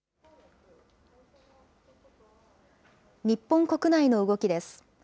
日本国内の動きです。